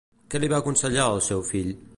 Què li va aconsellar al seu fill?